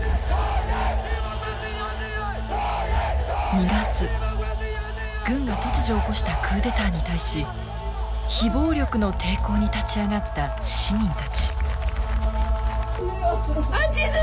２月軍が突如起こしたクーデターに対し非暴力の抵抗に立ち上がった市民たち。